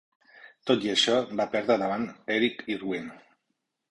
Tot i això, va perdre davant Eric Irwin.